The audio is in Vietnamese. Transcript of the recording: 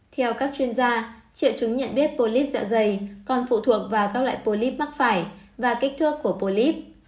theo các chuyên gia triệu chứng nhận biết polip dạ dày còn phụ thuộc vào các loại polyp mắc phải và kích thước của polyp